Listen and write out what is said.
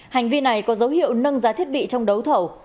hành vi này có dấu hiệu nâng giá thiết bị trong đấu thầu